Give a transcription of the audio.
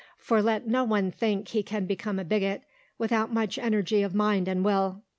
For let no one think he can become a bigot without much energy of mind and will.